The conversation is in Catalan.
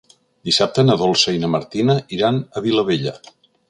Dissabte na Dolça i na Martina iran a Vilabella.